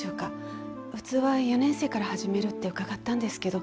普通は４年生から始めるって伺ったんですけど。